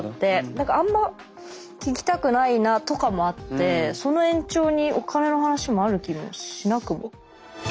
だからあんま聞きたくないなとかもあってその延長にお金の話もある気もしなくも。